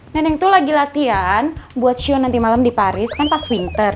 neneng tuh lagi latihan buat show nanti malam di paris kan pas winter